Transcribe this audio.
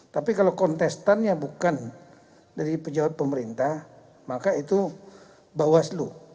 tapi kalau kontestan yang bukan dari pejabat pemerintah maka itu bawah selu